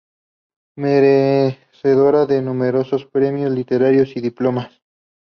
Merecedora de numerosos Premios Literarios y Diplomas.